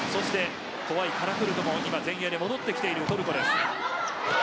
怖いカラクルトも前衛に戻ってきているトルコです。